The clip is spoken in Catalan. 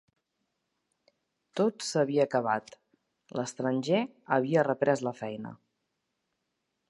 Tot s'havia acabat; l'estranger havia reprès la feina.